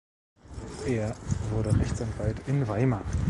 Er wurde Rechtsanwalt in Weimar.